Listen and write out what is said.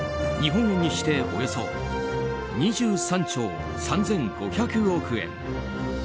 日本円にしておよそ２３兆３５００億円。